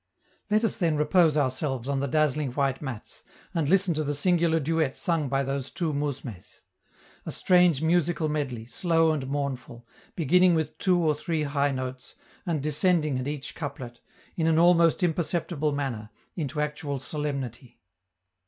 Let us then repose ourselves on the dazzling white mats, and listen to the singular duet sung by those two mousmes: a strange musical medley, slow and mournful, beginning with two or three high notes, and descending at each couplet, in an almost imperceptible manner, into actual solemnity.